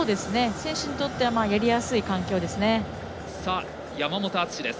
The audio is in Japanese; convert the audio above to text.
選手にとってはやりやすい環境です。